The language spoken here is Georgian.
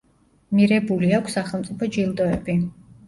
მირებული აქვს სახელმწიფო ჯილდოები.